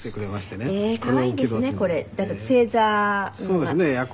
そうですね。